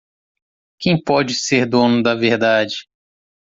Quem pode ser dono da verdade?